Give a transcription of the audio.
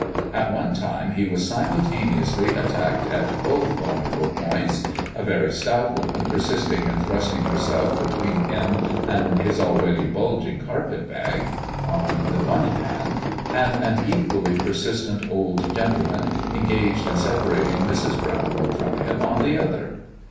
At one time he was simultaneously attacked at both vulnerable points, a very stout woman persisting in thrusting herself between him and his already bulging carpetbag, on the one hand, and an equally persistent old gentleman engaged in separating Mrs. Brownlow from him, on the other.